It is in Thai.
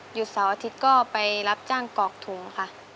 เสาร์อาทิตย์ก็ไปรับจ้างกอกถุงค่ะ